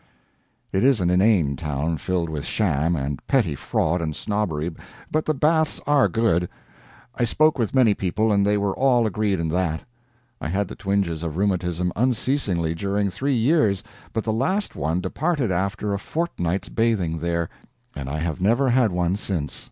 It is an inane town, filled with sham, and petty fraud, and snobbery, but the baths are good. I spoke with many people, and they were all agreed in that. I had the twinges of rheumatism unceasingly during three years, but the last one departed after a fortnight's bathing there, and I have never had one since.